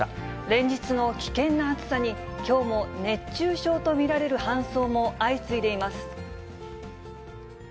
連日の危険な暑さに、きょうも熱中症と見られる搬送も相次いでいます。